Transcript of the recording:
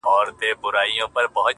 • چي پخوا به زه په کور کي ګرځېدمه -